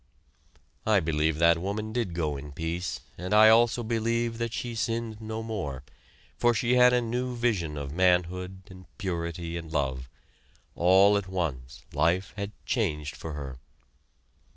I believe that woman did go in peace, and I also believe that she sinned no more, for she had a new vision of manhood, and purity, and love. All at once, life had changed for her.